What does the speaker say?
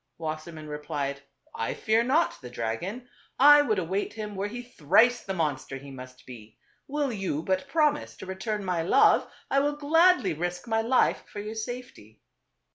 Wassermann replied, " I fear not the dragon ; I would await him were he thrice the monster he must be. Will you but promise to return my love, I will gladly risk my life for your safety."